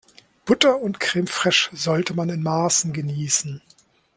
Butter und Creme fraiche sollte man in Maßen genießen.